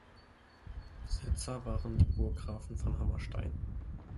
Besitzer waren die Burggrafen von Hammerstein.